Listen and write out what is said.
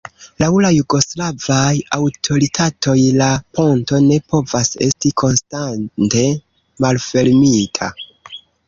Laŭ la jugoslavaj aŭtoritatoj la ponto ne povas esti konstante malfermita.